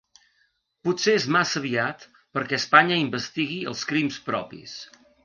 Potser és massa aviat perquè Espanya investigui els crims propis.